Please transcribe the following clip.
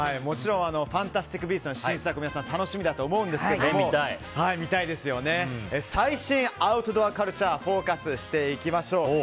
「ファンタスティック・ビースト」の新作皆さん楽しみだと思うんですけど最新アウトドアカルチャーにフォーカスしていきましょう。